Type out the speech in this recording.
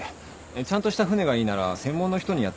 ちゃんとした船がいいなら専門の人にやってもらった方が。